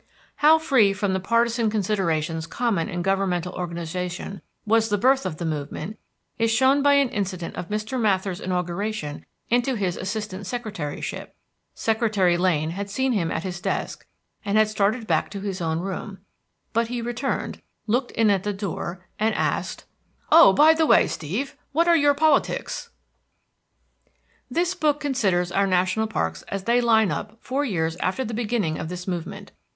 How free from the partisan considerations common in governmental organization was the birth of the movement is shown by an incident of Mr. Mather's inauguration into his assistant secretaryship. Secretary Lane had seen him at his desk and had started back to his own room. But he returned, looked in at the door, and asked: [Illustration: Copyright by Haynes, St. Paul THE GIANT GEYSER GREATEST IN THE WORLD Yellowstone National Park] "Oh, by the way, Steve, what are your politics?" This book considers our national parks as they line up four years after the beginning of this movement.